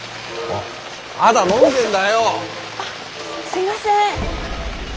あっすいません。